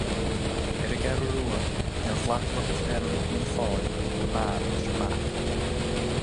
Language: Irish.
Ar an gCeathrú Rua, níor ghlac lucht leanúna Fhianna Fáil go maith leis an mbac.